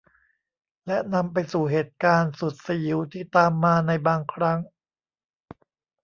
และนำไปสู่เหตุการณ์สุดสยิวที่ตามมาในบางครั้ง